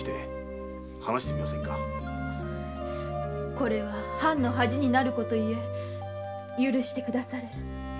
これは藩の恥になる事ゆえ許して下され。